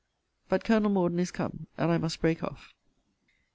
But Col. Morden is come, and I must break off.